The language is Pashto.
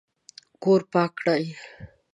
کور پاک کړئ